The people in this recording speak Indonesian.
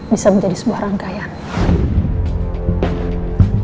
bisa menjadi sebuah rangkaian